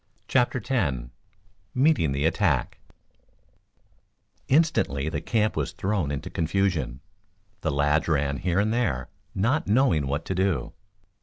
CHAPTER X MEETING THE ATTACK Instantly the camp was thrown into confusion. The lads ran here and there, not knowing what to do.